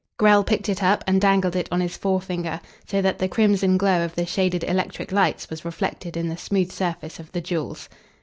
Grell picked it up and dangled it on his forefinger, so that the crimson glow of the shaded electric lights was reflected in the smooth surface of the jewels.